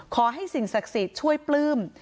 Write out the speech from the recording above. ขอให้สิ่งศักดิ์สิทธิ์ช่วยปลื้ม